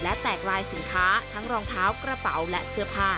และแตกลายสินค้าทั้งรองเท้ากระเป๋าและเสื้อผ้า